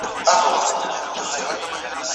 ټولنیز چاپیریال ته نوې کتنه وکړئ.